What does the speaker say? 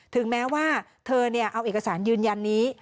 ถึงแม้ว่าเธอเอาเอกสารยืนยันนี้